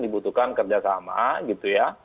dibutuhkan kerjasama gitu ya